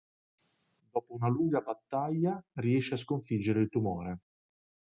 Dopo una lunga battaglia riesce a sconfiggere il tumore.